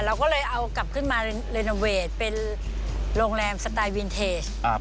เราก็เลยเอากลับขึ้นมาเรโนเวทเป็นโรงแรมสไตล์วินเทจ